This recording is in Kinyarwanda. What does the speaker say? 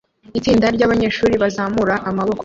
Itsinda ryabanyeshuri bazamura amaboko